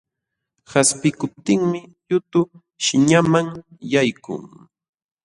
Qaspikuptinmi yutu sihñanman yaykun.